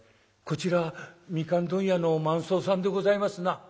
「こちら蜜柑問屋の万惣さんでございますな」。